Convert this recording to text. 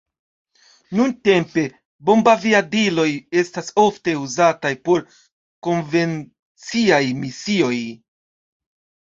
Nuntempe bombaviadiloj estas ofte uzataj por konvenciaj misioj.